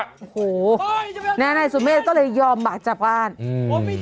โอ้โหนะนายสุเมฆก็เลยยอมบาดจากบ้านอืม